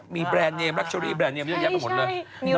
มีแบรนด์เนมรักชัวรีแบรนด์เนมเยอะแยะของเหรอ